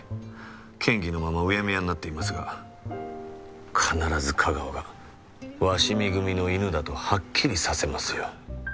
嫌疑のままうやむやになっていますが必ず架川が鷲見組の犬だとはっきりさせますよ。